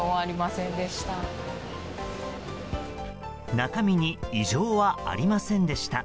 中身に異常はありませんでした。